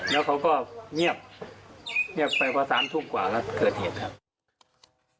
แล้วเขาก็เงียบไปกว่าสามทุ่มกว่าแล้วเกิดเหตุครับ